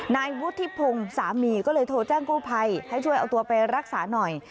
นายวุฒิพงศ์สามีก็เลยโทรแจ้งกู้ภัยให้ช่วยเอาตัวไปรักษาหน่อย